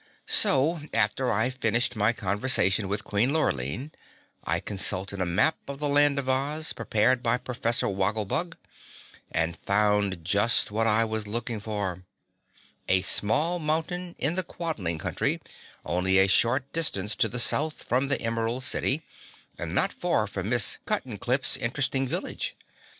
So, after I finished my conversation with Queen Lurline, I consulted a map of the Land of Oz prepared by Professor Woggle Bug and found just what I was looking for a small mountain in the Quadling Country, only a short distance to the south from the Emerald City and not far from Miss Cuttenclip's interesting village.